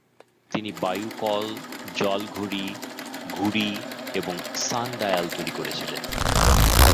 তিনি বায়ুকল, জল-ঘড়ি, ঘুড়ি এবং সান-ডায়াল তৈরি করেছিলেন।